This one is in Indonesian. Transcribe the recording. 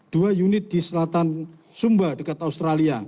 dua unit di selatan sumba dekat australia